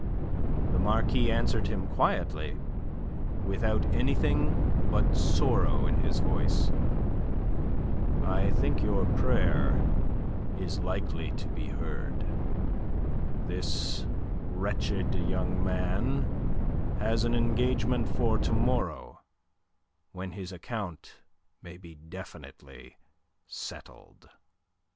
The Marquis answered him quietly, without anything but sorrow in his voice. "I think your prayer is likely to be heard. This wretched young man has an engagement for to morrow, when his account may be definitely settled."